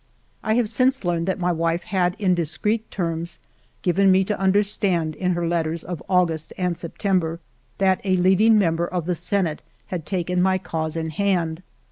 I have since learned that my wife had in dis creet terms given me to understand, in her letters of August and September, that a leading member of the Senate had taken my cause in hand.